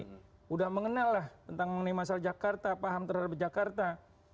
sudah mengenal lah tentang mengenai masalah jakarta paham terhadap jakarta